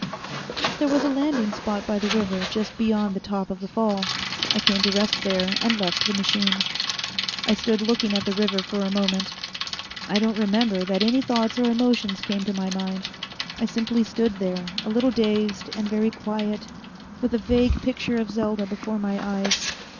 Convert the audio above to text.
There was a landing spot by the river just beyond the top of the fall. I came to rest there, and left the machine. I stood looking at the river for a moment. I don't remember that any thoughts or emotions came to my mind. I simply stood there, a little dazed, and very quiet, with a vague picture of Selda before my eyes.